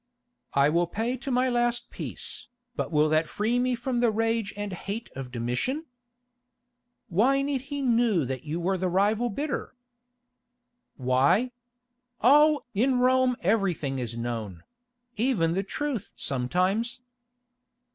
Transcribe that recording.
"I will pay to my last piece, but will that free me from the rage and hate of Domitian?" "Why need he know that you were the rival bidder?" "Why? Oh! in Rome everything is known—even the truth sometimes."